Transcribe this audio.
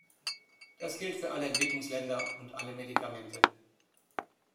Das gilt für alle Entwicklungsländer und alle Medikamente.